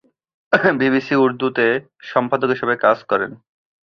BBC উর্দুতে সম্পাদক হিসাবে কাজ করেন।